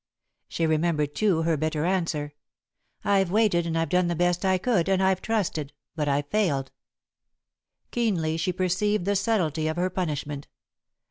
She remembered, too, her bitter answer: "I've waited and I've done the best I could, and I've trusted, but I've failed." Keenly she perceived the subtlety of her punishment.